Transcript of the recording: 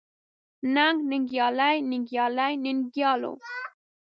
ننګ، ننګيالي ، ننګيالۍ، ننګيالو ،